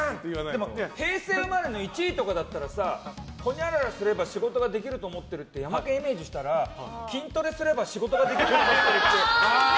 平成生まれの１位とかだったらほにゃららすれば仕事ができると思ってるってヤマケンイメージしたら筋トレすれば仕事ができると思ってる。